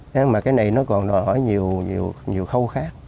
thế mà cái này nó còn đòi hỏi nhiều nhiều khâu khác